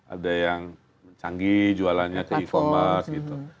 ada yang canggih jualannya ke e commerce gitu